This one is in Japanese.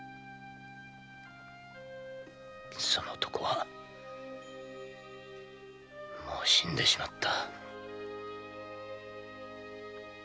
その男はもう死んでしまった。